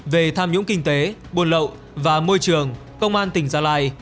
về tham nhũng kinh tế buôn lậu và môi trường công an tỉnh gia lai